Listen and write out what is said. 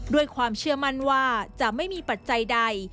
ด้วยความเชื่อมั่นว่าจะไม่มีปัจจัยใด